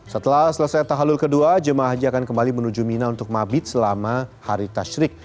setelah selesai tahalul kedua jemaah haji akan kembali menuju mina untuk mabit selama hari tashrik